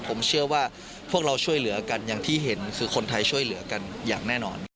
ผมเชื่อว่าพวกเราช่วยเหลือกันอย่างที่เห็นคือคนไทยช่วยเหลือกันอย่างแน่นอน